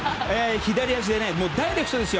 左足でダイレクトですよ。